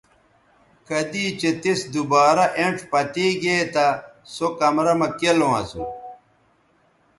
کدی چہء تِس دوبارہ اینڇ پتے گے تہ سو کمرہ مہ کیلوں اسو